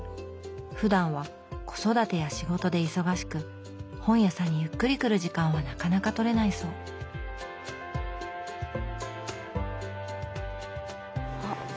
ふだんは子育てや仕事で忙しく本屋さんにゆっくり来る時間はなかなかとれないそうあっ何？